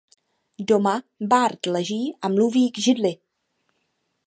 Doma Bart leží a mluví k židli.